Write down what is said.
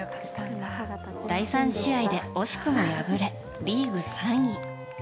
第３試合で惜しくも敗れリーグ３位。